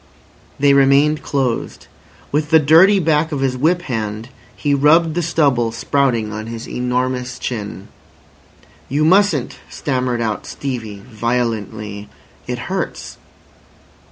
They remained closed. With the dirty back of his whip hand he rubbed the stubble sprouting on his enormous chin. "You mustn't," stammered out Stevie violently. "It hurts."